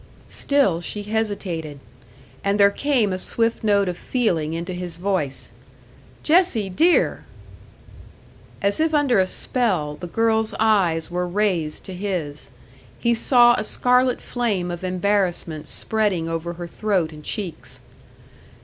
Still she hesitated. And there came a swift note of feeling into his voice: "Jessie, dear!" As if under a spell, the girl's eyes were raised to his; he saw a scarlet flame of embarrassment spreading over her throat and cheeks.